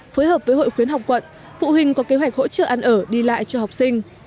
phối hợp với hội khuyến học quận phụ huynh có kế hoạch hỗ trợ ăn ở đi lại cho học sinh